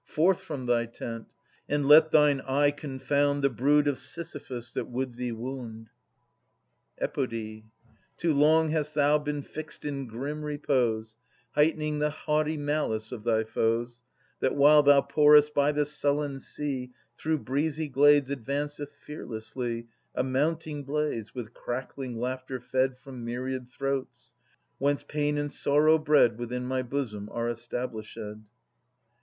Forth from thy tent, and let thine eye confound The brood of Sisyphus^ that would thee wound! Epode. Too long hast thou been fixed in grim repose, Heightening the haughty malice of thy foes, That, while thou porest by the sullen sea, Through breezy glades advanceth fearlessly, A mounting blaze with crackling laughter fed From myriad throats; whence pain and sorrow bred Within my bosom are established.